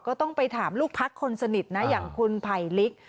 ก็ต้องไปถามลูกพักคนสนิทนะอย่างคุณไผลลิก